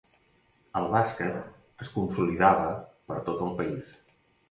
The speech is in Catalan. El bàsquet es consolidava per tot el país.